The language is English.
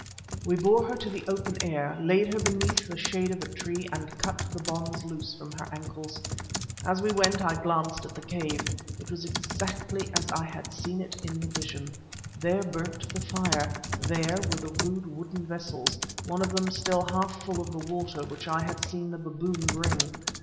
We bore her to the open air, laid her beneath the shade of a tree, and cut the bonds loose from her ankles. As we went I glanced at the cave. It was exactly as I had seen it in the vision. There burnt the fire, there were the rude wooden vessels, one of them still half full of the water which I had seen the baboon bring.